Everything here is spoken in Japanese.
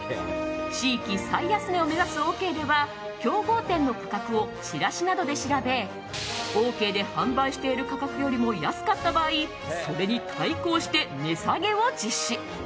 地域最安値を目指すオーケーでは競合店の価格をチラシなどで調べオーケーで販売している価格よりも安かった場合それに対抗して値下げを実施。